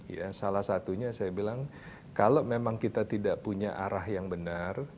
ya salah satunya saya bilang kalau memang kita tidak punya arah yang benar